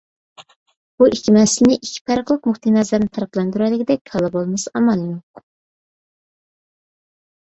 بۇ ئىككى مەسىلىنى، ئىككى پەرقلىق نۇقتىئىنەزەرنى پەرقلەندۈرەلىگۈدەك كاللا بولمىسا، ئامال يوق.